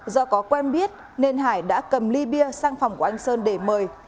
do có quen biết nên hải đã cầm ly bia sang phòng của anh sơn để mời